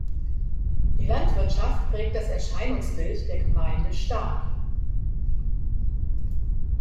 Die Landwirtschaft prägt das Erscheinungsbild der Gemeinde stark.